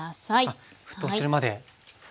あ沸騰するまで。